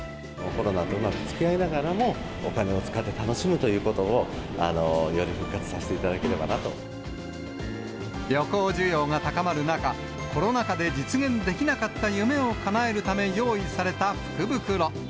コロナとうまくつきあいながらも、お金を使って楽しむということを、旅行需要が高まる中、コロナ禍で実現できなかった夢をかなえるため用意された福袋。